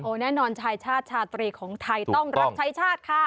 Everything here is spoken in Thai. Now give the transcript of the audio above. แน่นอนชายชาติชาตรีของไทยต้องรับใช้ชาติค่ะ